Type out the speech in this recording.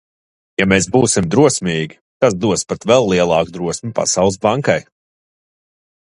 Ja mēs būsim drosmīgi, tas dos pat vēl lielāku drosmi Pasaules Bankai.